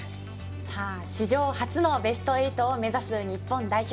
史上初のベスト８を目指す日本代表。